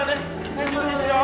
・大丈夫ですよ